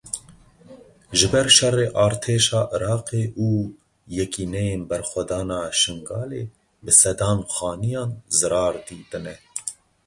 Ji ber şerê artêşa Iraqê û Yekîneyên Berxwedana Şingalê bi sedan xaniyan zirar dîtine.